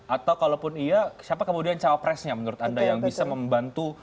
atau kalaupun iya siapa kemudian cawapresnya menurut anda yang bisa membantu